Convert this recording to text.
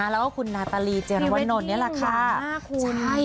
แล้วก็คุณนาตาลีเจรวนนท์นี่แหละค่ะ